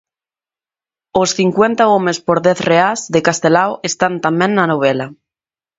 Os "Cincuenta homes por dez reás" de Castelao están tamén na novela.